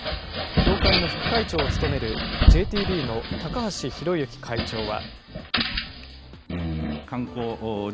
協会の副会長を務めるＪＴＢの高橋広行会長は。